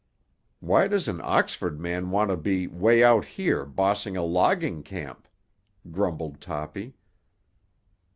"Why does an Oxford man want to be 'way out here bossing a logging camp?" grumbled Toppy.